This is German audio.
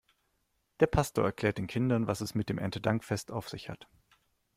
Der Pastor erklärt den Kindern, was es mit dem Erntedankfest auf sich hat.